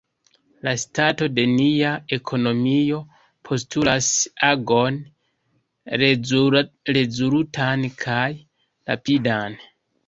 La stato de nia ekonomio postulas agon, rezolutan kaj rapidan.